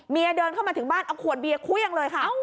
เมียเดินเข้ามาถึงบ้านเอาขวดเบียคุ้ยังเลยค่ะ